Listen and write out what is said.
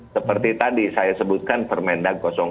seperti tadi saya sebutkan permenda tiga